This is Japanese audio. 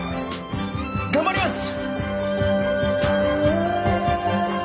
頑張ります！